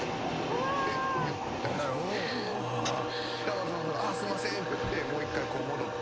松本さんがああすいませんって言ってもう一回戻って。